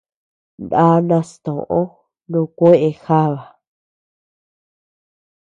Ná nastoʼö nukueʼë jaba.